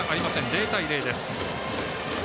０対０です。